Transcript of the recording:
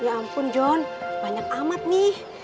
ya ampun john banyak amat nih